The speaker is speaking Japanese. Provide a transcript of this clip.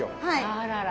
あらら。